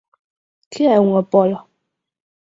Que é unha póla?